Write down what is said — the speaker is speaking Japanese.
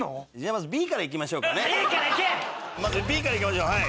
まずＢからいきましょうはい。